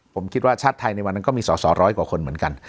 ผมคิดว่าชาติไทยในวันนั้นก็มีสอสอร้อยกว่าคนเหมือนกัน